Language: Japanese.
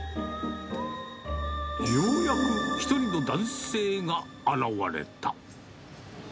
ようやく１人の男性が現れた。